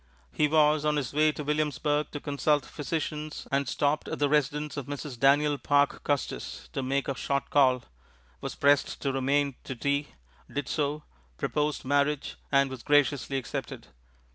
He was on his way to Williamsburg to consult physicians and stopped at the residence of Mrs. Daniel Parke Custis to make a short call was pressed to remain to tea, did so, proposed marriage, and was graciously accepted.